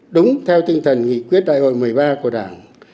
đúng theo tinh thần nghị quyết đại hội một mươi ba của đảng